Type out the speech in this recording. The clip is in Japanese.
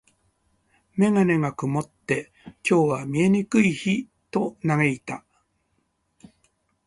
メガネが曇って、「今日は見えにくい日」と嘆いた。